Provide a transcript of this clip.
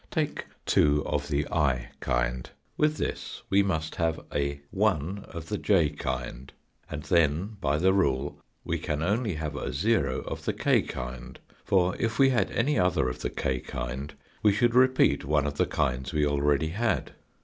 Take 2 of the i kind. With this we must have a 1 of the j kind, and then by the rule we can only have a of the k kind, for if we had any other of the k kind we should repeat one of the kinds we already had.